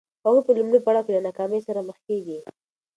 هغوی په لومړي پړاو کې له ناکامۍ سره مخ کېږي.